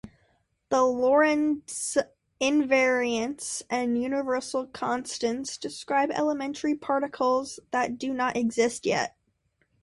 The Lorentz invariance and universal constants describe elementary particles that do not exist yet.